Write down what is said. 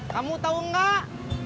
kamu tahu enggak